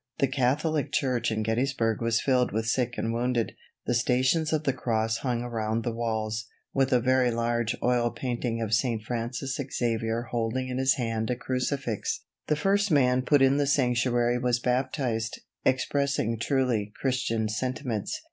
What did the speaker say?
The Catholic Church in Gettysburg was filled with sick and wounded. The stations of the cross hung around the walls, with a very large oil painting of St. Francis Xavier holding in his hand a crucifix. The first man put in the sanctuary was baptized, expressing truly Christian sentiments.